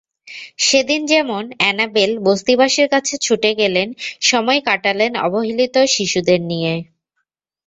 সেদিন যেমন অ্যানাবেল বস্তিবাসীর কাছে ছুটে গেলেন, সময় কাটালেন অবহেলিত শিশুদের নিয়ে।